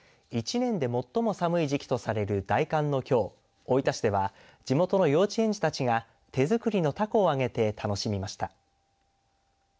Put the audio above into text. １年で最も寒い時期とされる大寒のきょう大分市では地元の幼稚園児たちが手づくりのたこを揚げて楽しみました。